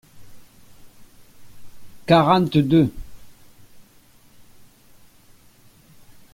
Quarante-deux.